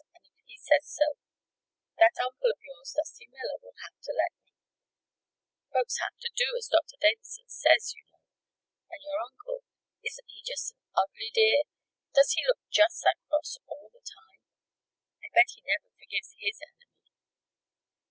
And if he says so, that uncle of yours, Dusty Miller, will have to let me. Folks have to do as Doctor Davison says, you know. And your uncle isn't he just an ugly dear? Does he look just that cross all the time? I bet he never forgives his Enemy!"